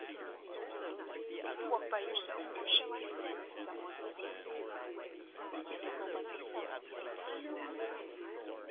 "Certainly. Can you walk by yourself, or shall I send some one with you?" "I will go by myself, if you please, ma'am."